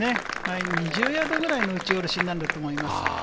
２０ヤードくらいの打ち下ろしになると思います。